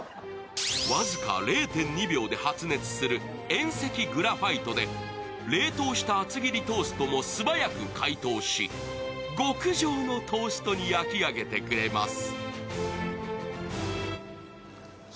僅か０．２秒で発熱する遠赤グラファイトで冷凍した厚切りトーストも素早く解凍し、極上のトーストに焼き上げてくれます。